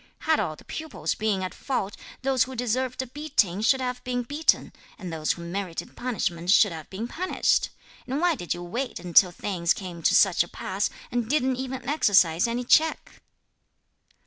Had all the pupils been at fault, those who deserved a beating should have been beaten, and those who merited punishment should have been punished! and why did you wait until things came to such a pass, and didn't even exercise any check?"